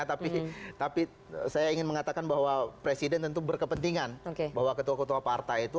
tapi tapi saya ingin mengatakan bahwa presiden tentu berkepentingan bahwa ketua ketua partai itu